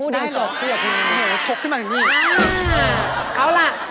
ได้หรอ